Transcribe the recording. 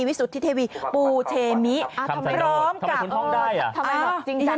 วิสุทธิเทวีปูเทมิอ่าทำไมทำไมคุณพ่องได้อ่ะอ่าทำไมบอกจริงจัง